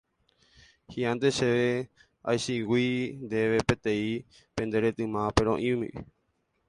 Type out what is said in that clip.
Hi'ãnte chéve aichiguíu ndéve peteĩ pe nde retyma perõipi.